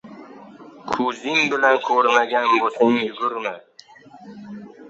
• Ko‘zing bilan ko‘rmagan bo‘lsang, yugurma.